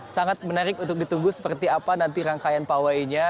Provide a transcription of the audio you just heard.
sangat menarik untuk ditunggu seperti apa nanti rangkaian pawainya